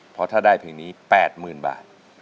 เพราะถ้าได้เพลงนี้๘๐๐๐บาท